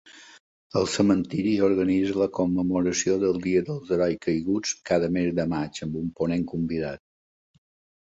El cementiri organitza la commemoració del "Dia dels Herois Caiguts" cada mes de maig, amb un ponent convidat.